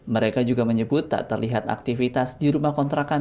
mereka juga menyebut tak terlihat aktivitas di rumah kontrakan